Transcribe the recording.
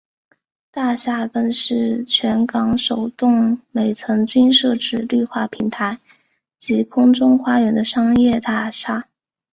大厦更是全港首幢每层均设置绿化平台及空中花园的商业大厦。